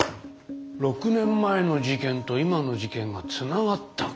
６年前の事件と今の事件がつながったか。